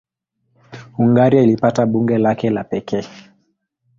Hungaria ilipata bunge lake la pekee.